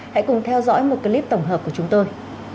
hãy cùng theo dõi một clip tổng hợp của chúng tôi